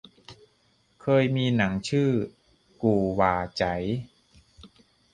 เคยมีหนังชื่อกู่หว่าไจ๋